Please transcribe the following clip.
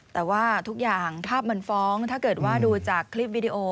แต่ว่าทุกอย่างภาพมันฟ้องถ้าเกิดว่าดูจากคลิปวิดีโอ